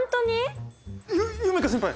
ゆ夢叶先輩！